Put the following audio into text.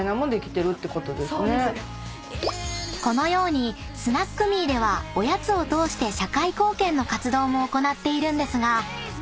［このようにｓｎａｑ．ｍｅではおやつを通して社会貢献の活動も行っているんですが］